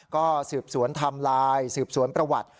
ก็สืบสวนไทม์ไลน์สืบสวนประวัติ